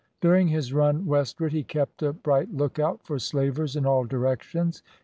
During his run westward he kept a bright lookout for slavers in all directions.